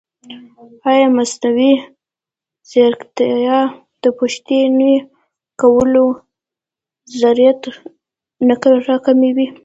ایا مصنوعي ځیرکتیا د پوښتنې کولو جرئت نه راکموي؟